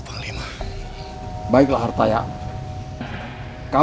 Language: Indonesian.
kau juga bisa selangkal